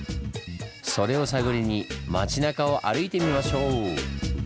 それを探りに町なかを歩いてみましょう！